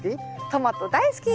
トマト大好き！